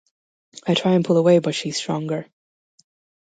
I try and pull away, but she's stronger.